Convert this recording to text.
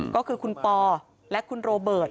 ก็คือคุณปอและคุณโรเบิร์ต